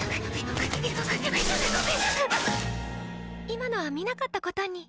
今のは見なかったことに。